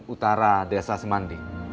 utara desa semandi